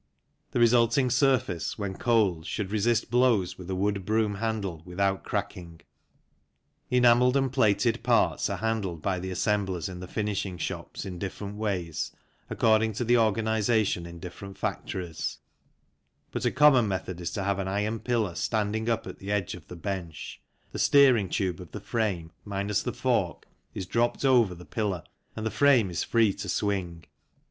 The resulting surface, when cold, should resist blows with a wood broom handle without cracking. Enamelled and plated parts are handled by the assemblers in the finishing shops in different ways, according to the organization in different factories, but a common method is to have an iron pillar standing up at the edge of the bench, the steering tube of the frame, minus the fork, is dropped over the pillar and the 42 THE CYCLE INDUSTRY frame is free to swing.